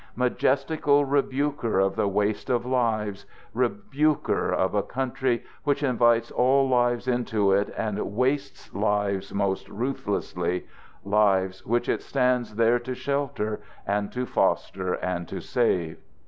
Majestical rebuker of the waste of lives, rebuker of a country which invites all lives into it and wastes lives most ruthlessly lives which it stands there to shelter and to foster and to save.